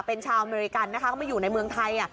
เป็นชาวอเมริกันนะคะเขามาอยู่ในเมืองไทย